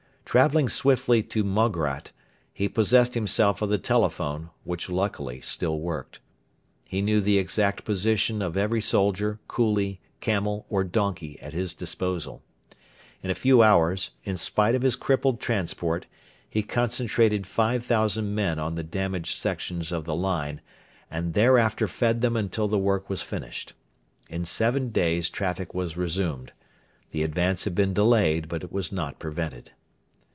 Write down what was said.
Travelling swiftly to Moghrat, he possessed himself of the telephone, which luckily still worked. He knew the exact position or every soldier, coolie, camel, or donkey at his disposal. In a few hours, in spite of his crippled transport, he concentrated 5,000 men on the damaged sections of the line, and thereafter fed them until the work was finished. In seven days traffic was resumed. The advance had been delayed, but it was not prevented.